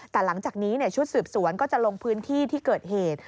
แต่หลังจากนี้ชุดสืบสวนก็จะลงพื้นที่ที่เกิดเหตุ